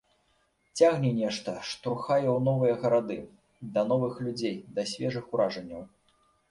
Цягне нешта, штурхае ў новыя гарады, да новых людзей, да свежых уражанняў.